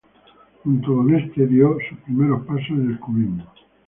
Junto con este dio sus primeros pasos en el cubismo.